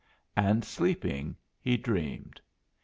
And sleeping he dreamed.